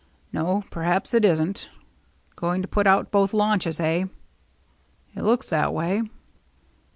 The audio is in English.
"No, perhaps it isn't. Going to put out both launches, eh?" "It looks that way."